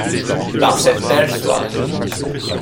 par cette belle soirée.